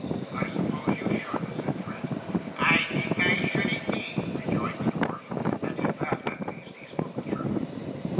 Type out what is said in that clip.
'I suppose you should,' said Trent. 'I think I should indeed,' rejoined the dwarf; and in that, at least, he spoke the truth.